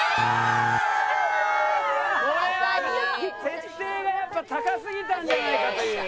設定がやっぱ高すぎたんじゃないかという。